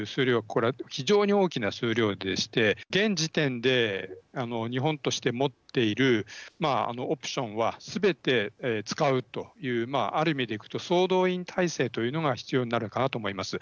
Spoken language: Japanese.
これ、非常に大きな数量でして現時点で、日本として持っているオプションは、すべて使うというある意味でいくと総動員体制というのが必要になるのかなと思います。